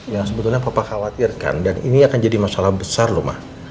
yang sebetulnya papa khawatirkan dan ini akan jadi masalah besar loh mas